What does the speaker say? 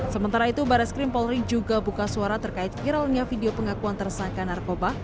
sementara itu baris krim polri juga buka suara terkait viralnya video pengakuan tersangka narkoba